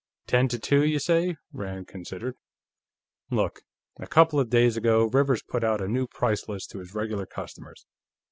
"Ten to two, you say," Rand considered. "Look. A couple of days ago, Rivers put out a new price list to his regular customers.